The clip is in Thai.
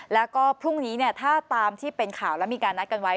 แล้วก็พรุ่งนี้ถ้าตามที่เป็นข่าวแล้วมีการนัดกันไว้